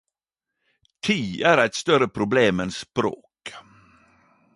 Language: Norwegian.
Tid er eit større problem enn språk...